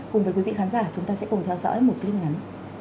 cùng với quý vị khán giả chúng ta sẽ cùng theo dõi một clip ngắn